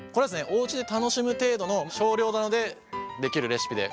おうちで楽しむ程度の少量なのでできるレシピで。